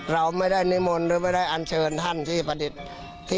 เราไม่ได้นิมนต์หรือไม่ได้อันเชิญท่านที่ประดิษฐ์